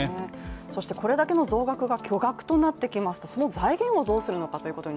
そしてこれだけの増額が巨額となってきますとその財源がどうなってくるかと。